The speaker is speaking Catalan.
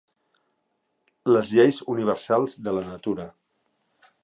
Les lleis universals de la natura.